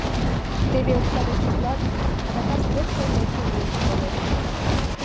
Теве окса деч утла гын, адакат вычыл-вычыл илыш толеш.